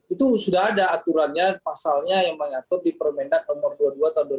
itu sudah ada aturannya pasalnya yang mengatur di permendak nomor dua puluh dua tahun dua ribu dua puluh